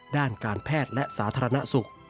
ด้านการแพทย์และสาธารณสุข